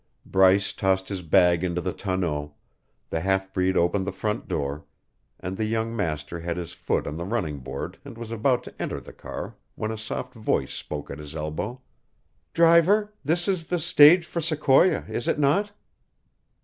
Bryce tossed his bag into the tonneau; the half breed opened the front door; and the young master had his foot on the running board and was about to enter the car when a soft voice spoke at his elbow: "Driver, this is the stage for Sequoia, is it not?"